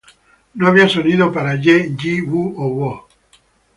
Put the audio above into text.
No había sonidos para ye, yi, wu o wo.